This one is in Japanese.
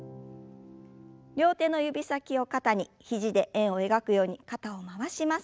両手の指先を肩に肘で円を描くように肩を回します。